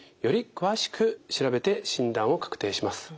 詳しく調べて診断を確定します。